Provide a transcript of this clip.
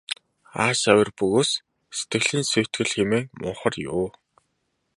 Ааш авир бөгөөс сэтгэлийн сүйтгэл хэмээн мунхар юу.